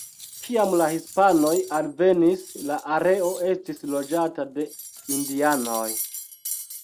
Kiam la hispanoj alvenis, la areo estis loĝata de indianoj.